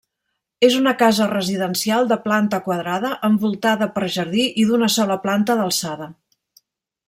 És una casa residencial de planta quadrada, envoltada per jardí i d'una sola planta d'alçada.